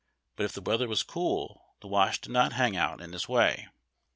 But if the weather was cool the wash did not hang out in this way.